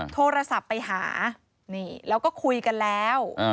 โทรศัพท์ไปหานี่แล้วก็คุยกันแล้ว